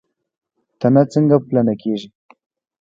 تنه څنګه پلنه کیږي؟